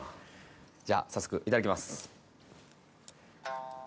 じゃあ早速いただきます